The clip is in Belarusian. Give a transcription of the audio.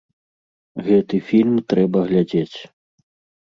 Гэты фільм трэба глядзець!